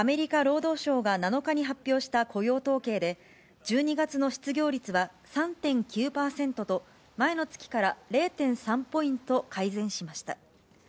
アメリカ労働省が７日に発表した雇用統計で、１２月の失業率は３．９％と、前の月から０．３ポイント改善しました。